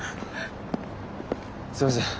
すいません。